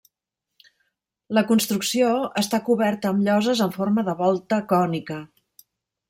La construcció està coberta amb lloses en forma de volta cònica.